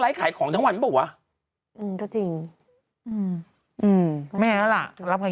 ไร้ขายของทั้งวันเปล่าวะอืมก็จริงอืมแม่ล่ะรับการ